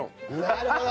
なるほど。